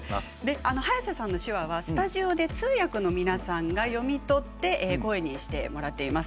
早瀬さんの手話はスタジオで通訳の皆さんが読み取って声にしてもらっています。